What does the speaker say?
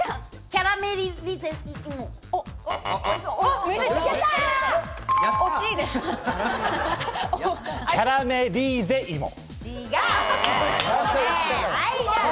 キャラメリーゼ芋。